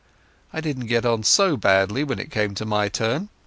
I didn't get on so badly when it came to my turn.